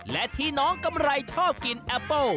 และที่น้องกำไรชอบกินแอปเปิ้ล